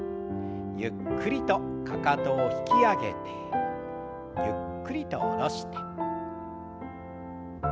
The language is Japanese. ゆっくりとかかとを引き上げてゆっくりと下ろして。